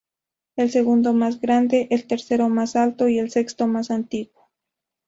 El segundo más grande, el tercero más alto y el sexto más antiguo.